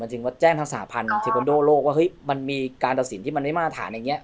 มันจึงว่าแจ้งทั้งสหพันธ์เทคโนโลกว่ามันมีการตัดสินที่มันไม่มาตรฐานอย่างเงี้ย